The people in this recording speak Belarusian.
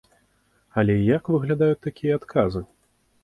Але як выглядаюць такія адказы?